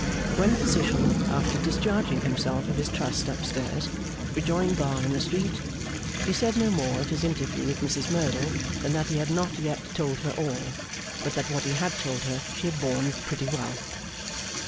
When Physician, after discharging himself of his trust up stairs, rejoined Bar in the street, he said no more of his interview with Mrs Merdle than that he had not yet told her all, but that what he had told her she had borne pretty well.